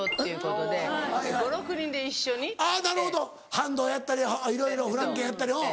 ハンドやったりいろいろフランケンやったり。